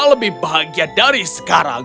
lebih bahagia dari sekarang